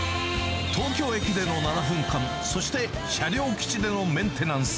東京駅での７分間、そして車両基地でのメンテナンス。